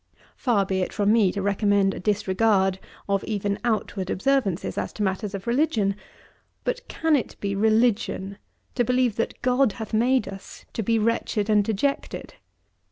Far be it from me to recommend a disregard of even outward observances as to matters of religion; but, can it be religion to believe that God hath made us to be wretched and dejected?